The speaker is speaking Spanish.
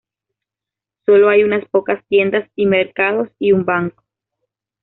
Sólo hay unas pocas tiendas y mercados y un banco.